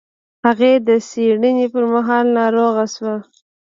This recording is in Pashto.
هغې د څېړنې پر مهال ناروغه شوه.